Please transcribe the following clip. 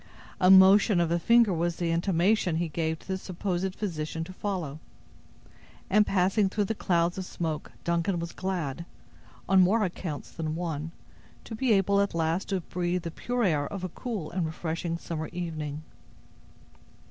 A motion of a finger was the intimation he gave the supposed physician to follow; and passing through the clouds of smoke, Duncad was glad, on more accounts than one, to be able at last to breathe the pure air of a cool and refreshing summer evening.